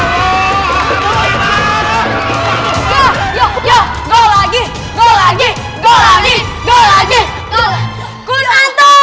siapa yang jadi juara